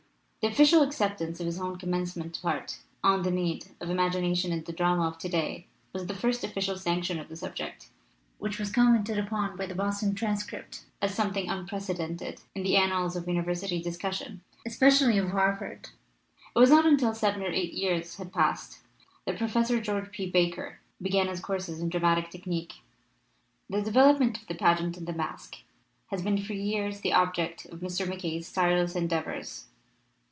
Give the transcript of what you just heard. The official acceptance of his own com mencement part On the Need of Imagination in the Drama of To day was the first official sanc tion of the subject, which was commented upon by the Boston Transcript as something unprece dented in the annals of university discussion, es pecially of Harvard. It was not until seven or eight years had passed that Prof. George P. Baker began his courses in dramatic technique. The development of the pageant and the masque has been for years the object of Mr. MacKaye's tireless endeavors.